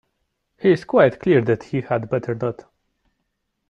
He is quite clear that he had better not.